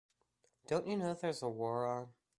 Don't you know there's a war on?